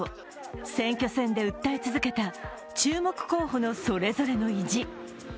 選挙戦で訴え続けた注目候補のそれぞれの意地。